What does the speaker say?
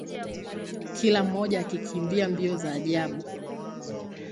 kila mmoja akikimbia mbio za ajabu